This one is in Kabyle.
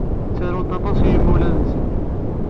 Ttarunt aṭas i yimawlan-nsent.